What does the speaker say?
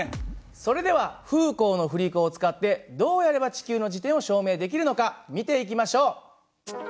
それではフーコーの振り子を使ってどうやれば地球の自転を証明できるのか見ていきましょう。